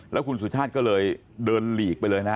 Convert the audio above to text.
แล้วคุณสุชาติก็เลยเดินหลีกไปเลยนะ